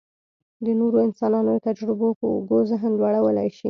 د نورو انسانانو د تجربو په اوږو ذهن لوړولی شي.